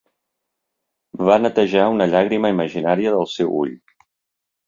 Va netejar una llàgrima imaginària del seu ull.